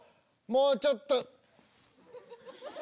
もうちょっと。